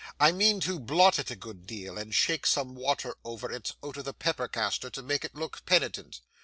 I mean to blot it a good deal and shake some water over it out of the pepper castor to make it look penitent.